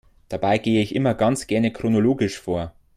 Dabei gehe ich immer ganz gerne chronologisch vor.